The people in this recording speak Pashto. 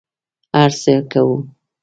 هر څه کوه.